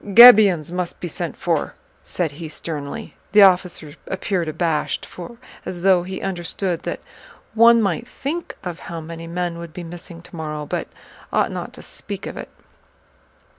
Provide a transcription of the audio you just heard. "Gabions must be sent for," said he sternly. The officer appeared abashed, as though he understood that one might think of how many men would be missing tomorrow but ought not to speak of it.